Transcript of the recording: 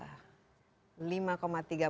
lima tiga miliar rupiah